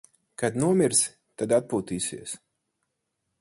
Kad nomirsi, tad atpūtīsies.